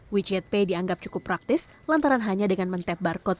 wechat pay dianggap cukup praktis lantaran hanya dengan men tap barcode